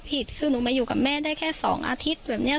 ผิดคือนุ่งมาอยู่กับแม่ได้แค่สองอาทิตย์แบบเนี่ย